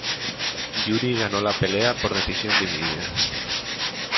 Jury ganó la pelea por decisión dividida.